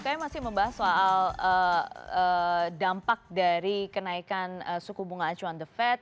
kami masih membahas soal dampak dari kenaikan suku bunga acuan the fed